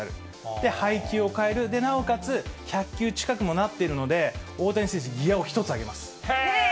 で、配球を変える、なおかつ１００球近くにもなっているので、大谷選手、ギアを１つ上げます。